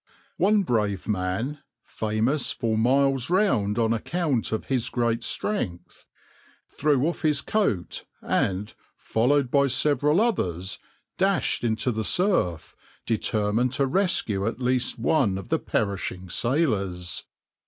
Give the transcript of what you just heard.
One brave man, famous for miles round on account of his great strength, threw off his coat, and, followed by several others, dashed into the surf, determined to rescue at least one of the perishing sailors.